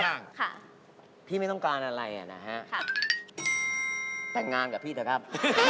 ค่ะพี่ไม่ต้องการอะไรอ่ะนะฮะแต่งงานกับพี่เถอะครับ